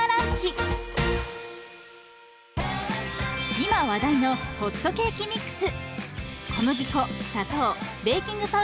今話題のホットケーキミックス。